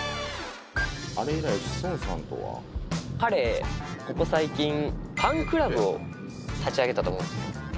あれ以来、志尊さんとは。彼、ここ最近、ファンクラブを立ち上げたと思うんですよ。